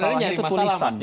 masalahnya itu tulisan